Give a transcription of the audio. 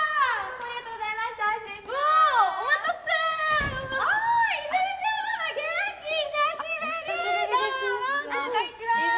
こんにちは泉